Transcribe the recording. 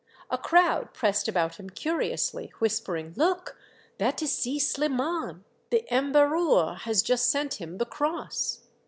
A crowd pressed about him curiously, whispering, " Look ! that is Si Sliman ! The Emherour has just sent him the Cross."